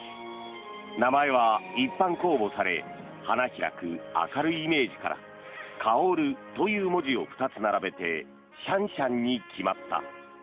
名前は一般公募され花開く明るいイメージから「香」という文字を２つ並べてシャンシャンに決まった。